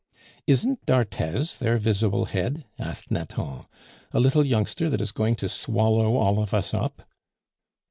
"Isn't d'Arthez their visible head?" asked Nathan, "a little youngster that is going to swallow all of us up."